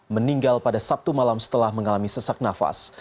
meninggal pada sabtu malam setelah mengalami sesak nafas